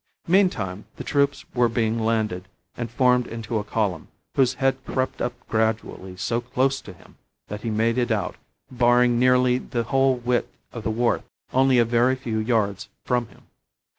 Meantime, the troops were being landed and formed into a column, whose head crept up gradually so close to him that he made it out, barring nearly the whole width of the wharf, only a very few yards from him.